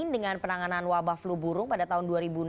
dengan penanganan wabah flu burung pada tahun dua ribu dua puluh